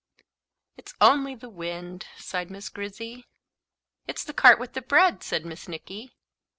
"It's only the wind," sighed Miss Grizzy. "It's the cart with the bread," said Miss Nicky.